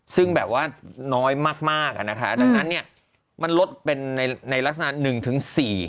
ซึ่งแบบว่าน้อยมากค่ะนะคะดังนั้นมันลดเป็นในลักษณะ๑ถึง๔